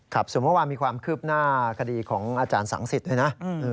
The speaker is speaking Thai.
ครับสมมุติว่ามีความคืบหน้าคดีของอาจารย์สังสิตด้วยนะ